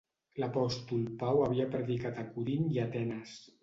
L'apòstol Pau havia predicat a Corint i Atenes.